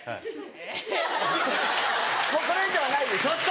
もうこれ以上ないです。